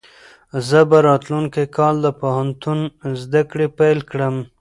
زه به راتلونکی کال د پوهنتون زده کړې پیل کړم.